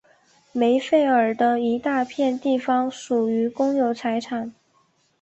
梅费尔的一大片地方属于公有财产。